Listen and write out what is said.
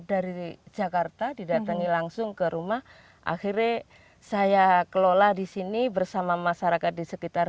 dari jakarta didatangi langsung ke rumah akhirnya saya kelola di sini bersama masyarakat di sekitar